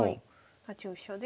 ８四飛車で。